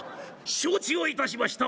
承知をいたしました」。